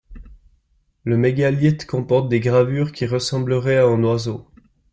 Le mégalithe comporte des gravures qui ressembleraient à un oiseau.